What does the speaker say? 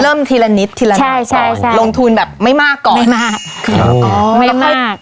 เริ่มทีละนิดทีละหนาก่อนใช่ลงทุนแบบไม่มากก่อนไม่มากไม่มาก